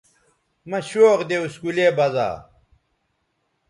مہ شوق دے اسکولے بزا